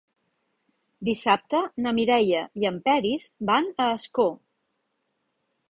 Dissabte na Mireia i en Peris van a Ascó.